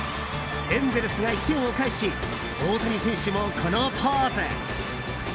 エンゼルスが１点を返し大谷選手もこのポーズ。